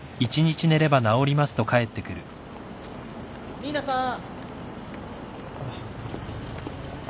・新名さん！